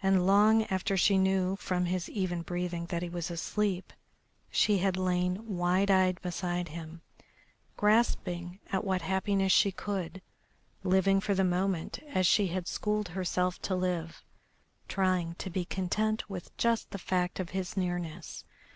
And long after she knew from his even breathing that he was asleep she had lain wide eyed beside him, grasping at what happiness she could, living for the moment as she had schooled herself to live, trying to be content with just the fact of his nearness.